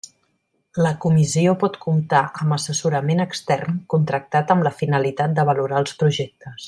La Comissió pot comptar amb assessorament extern contractat amb la finalitat de valorar els projectes.